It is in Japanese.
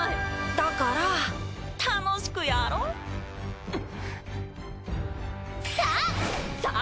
だから楽しくやろ？さあ！